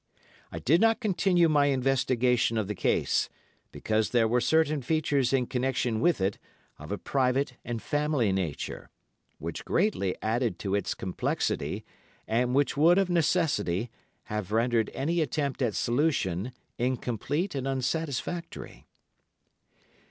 I did not continue my investigation of the case, because there were certain features in connection with it of a private and family nature, which greatly added to its complexity, and which would, of necessity, have rendered any attempt at solution incomplete and unsatisfactory.